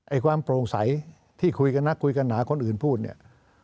ความโปร่งใสที่คุยกันนักคุยกันหาคนอื่นพูดเนี่ย